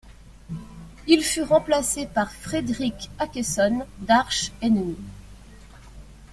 Il fut remplacé par Fredrik Åkesson d'Arch Enemy.